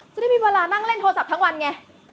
จะได้มีเวลานั่งเล่นโทรศัพท์ทั้งวันไง